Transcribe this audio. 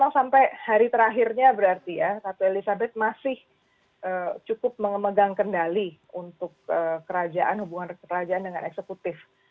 sampai hari terakhirnya berarti ya ratu elizabeth masih cukup memegang kendali untuk kerajaan hubungan kerajaan dengan eksekutif